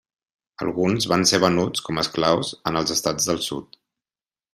Alguns van ser venuts com esclaus en els estats del sud.